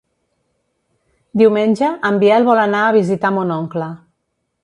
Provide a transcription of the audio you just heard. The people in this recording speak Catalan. Diumenge en Biel vol anar a visitar mon oncle.